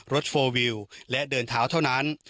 โฟลวิวและเดินเท้าเท่านั้น